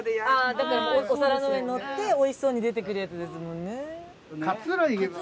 ああだからお皿の上にのっておいしそうに出てくるやつですもんね。